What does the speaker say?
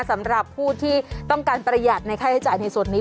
สำหรับผู้ที่ต้องการประหยัดในค่าใช้จ่ายในส่วนนี้